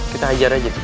kita ajar aja deh